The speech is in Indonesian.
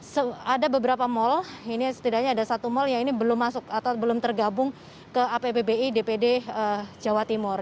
setidaknya ada satu mal yang ini belum masuk atau belum tergabung ke appbi dpd jawa timur